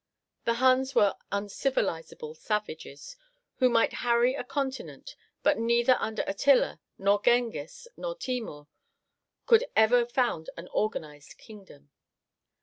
The Huns were uncivilizable savages, who might harry a continent, but neither under Attila, nor Genghis, nor Timour, could ever found an organized kingdom.